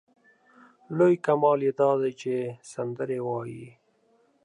لوی کمال یې دا دی چې سندرې وايي.